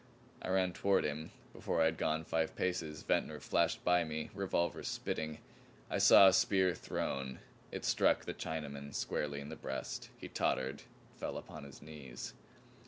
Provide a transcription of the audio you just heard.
I ran toward him. Before I had gone five paces Ventnor flashed by me, revolver spitting. I saw a spear thrown. It struck the Chinaman squarely in the breast. He tottered fell upon his knees.